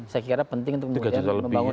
saya kira penting untuk kemudian membangun